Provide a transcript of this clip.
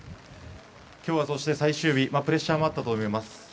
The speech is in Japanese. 今日はそして最終日プレッシャーもあったと思います。